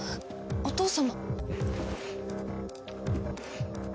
お父様？